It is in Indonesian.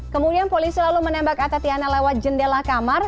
kemudian polisi lalu menembak atatiana lewat jendela kamar